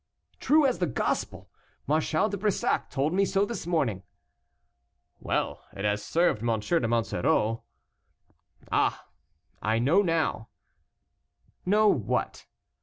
"True as the gospel; Marshal de Brissac told me so this morning." "Well! it has served M. de Monsoreau " "Ah! I know now." "Know what?"